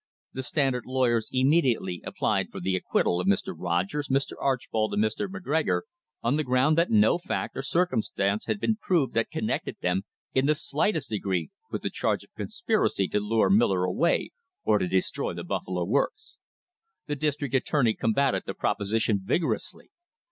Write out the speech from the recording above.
The Standard lawyers imme diately applied for the acquittal of Mr. Rogers, Mr. Arch bold and Mr. McGregor, on the ground that no fact or cir cumstance had been proved that connected them in the slightest [ 102] THE BUFFALO CASE degree with the charge of conspiracy to lure Miller away or to destroy the Buffalo Works. The district attorney com bated the proposition vigorously.